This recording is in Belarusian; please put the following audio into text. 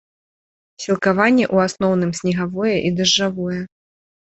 Сілкаванне ў асноўным снегавое і дажджавое.